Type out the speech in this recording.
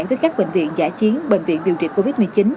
tới các bệnh viện giả chiến bệnh viện điều trị covid một mươi chín